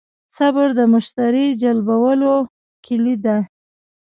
صبر د مشتری جلبولو کیلي ده.